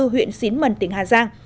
huyện xín mần tỉnh hà giang